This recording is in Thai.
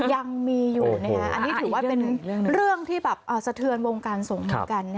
ยังมีอยู่อันนี้ถือว่าเป็นเรื่องที่แบบสะเทือนวงการสงฆ์เหมือนกัน